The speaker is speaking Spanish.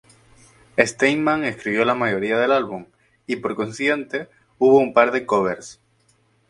Steinman escribió la mayoría del álbum, y por consiguiente, hubo un par de covers.